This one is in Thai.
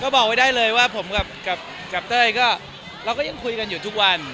ก็บอกไว้ได้เลยว่าเราก็ยังคุยกันทุกวัน